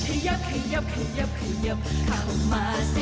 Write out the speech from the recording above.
ขยับขยับขยับขยับเข้ามาสิ